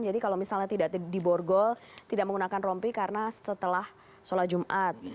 jadi kalau misalnya tidak di borgol tidak menggunakan rompi karena setelah sholat jumat